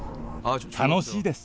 楽しいです。